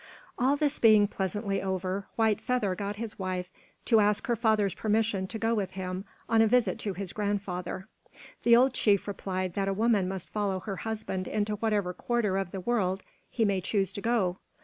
All this being pleasantly over, White Feather got his wife to ask her father's permission to go with him on a visit to his grandfather. The old chief replied that a woman must follow her husband into whatever quarter of the world he may choose to go.